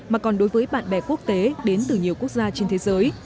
mà còn đối với bạn bè quốc tế đến từ nhiều quốc gia trên thế giới